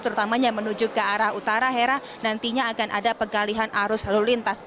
terutamanya menuju ke arah utara hera nantinya akan ada pengalihan arus lalu lintas